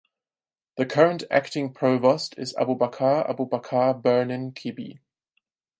The current acting Provost is Abubakar Abubakar Birnin Kebbi.